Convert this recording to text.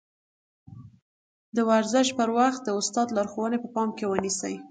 د ورزش پر وخت د استاد لارښوونې په پام کې ونيسئ.